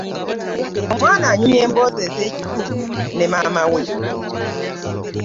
Omwana anyumya emboozi ezekikulu ne maama we.